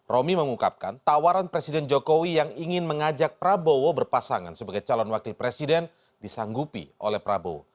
romi mengungkapkan tawaran presiden jokowi yang ingin mengajak prabowo berpasangan sebagai calon wakil presiden disanggupi oleh prabowo